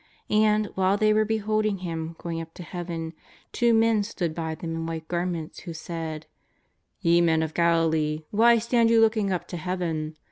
And, while they were beholding Him, going up to Heaven, two men stood by them in white garments who said : "Ye men of Galilee, why stand you looking up to Heaven